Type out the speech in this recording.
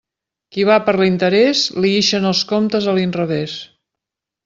Qui va per l'interés, li ixen els comptes a l'inrevés.